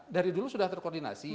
dari dulu sudah terkoordinasi